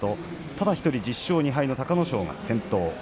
ただ１人、１０勝２敗の隆の勝が先頭。